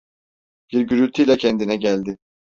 Bir gürültü ile kendine geldi.